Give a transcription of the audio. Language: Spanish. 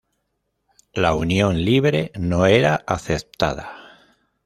La unión libre no era aceptada.